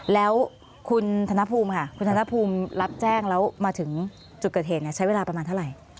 แล้วคุณธนภูมิค่ะคุณธนภูมิรับแจ้งแล้วมาถึงจุดเกิดเหตุใช้เวลาประมาณเท่าไหร่